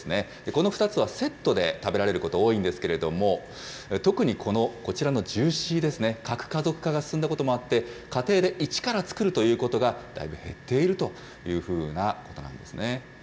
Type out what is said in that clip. この２つはセットで食べられること、多いんですけれども、特にこちらのジューシーですね、核家族化が進んだこともあって、家庭で一から作るということが、だいぶ減っているというふうなことなんですね。